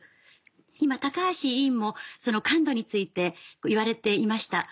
今高橋委員もその感度について言われていました。